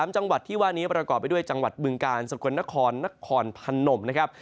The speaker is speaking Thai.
๓จังหวัดที่ว่านี้ประกอบไปด้วยจังหวัดบึงกาลสกลนครนครพนมนะครับ